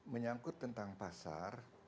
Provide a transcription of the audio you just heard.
menyangkut tentang pasar